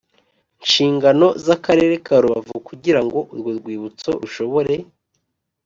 Nshingano z akarere ka rubavu kugira ngo urwo rwibutso rushobore